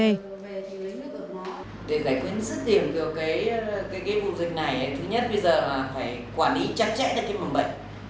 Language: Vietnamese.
để giải quyết sức tiềm của cái vụ dịch này thứ nhất là phải quản lý chắc chẽ được cái mầm bệnh